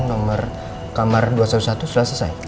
nomor kamar dua ribu satu ratus satu sudah selesai